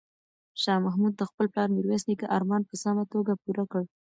شاه محمود د خپل پلار میرویس نیکه ارمان په سمه توګه پوره کړ.